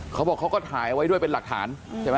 เขาบอกเขาก็ถ่ายไว้ด้วยเป็นหลักฐานใช่ไหม